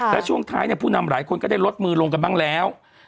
และช่วงท้ายผู้นำหลายคนก็ได้ลดมือลงกันบ้างแล้ว